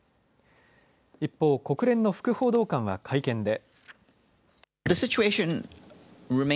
一方、国連の副報道官は会見で。